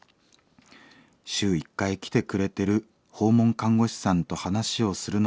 週１回来てくれてる訪問看護師さんと話をするのが楽しみです。